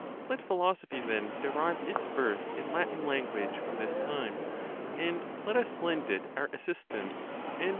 Let philosophy, then, derive its birth in Latin language from this time, and let us lend it our as sistance, and.